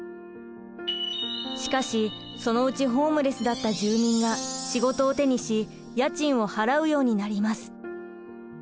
しかしそのうちホームレスだった住民が仕事を手にし家賃を払うようになります。